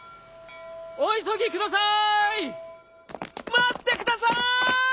待ってくださーい！